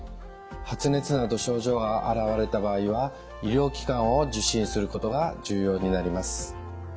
発熱など症状が現れた場合は医療機関を受診することが重要になります。